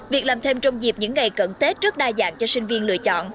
việc làm thêm trong dịp những ngày cận tết rất đa dạng cho sinh viên lựa chọn